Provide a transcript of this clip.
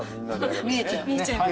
見えちゃいます。